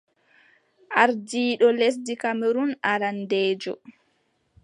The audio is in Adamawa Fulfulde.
Ardiiɗo lesdi Kamerun arandeejo.